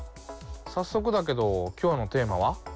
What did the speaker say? さっそくだけど今日のテーマは？